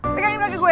pegangin kakek gue